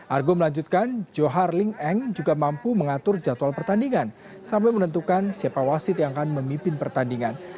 argo melanjutkan johar ling eng juga mampu mengatur jadwal pertandingan sampai menentukan siapa wasit yang akan memimpin pertandingan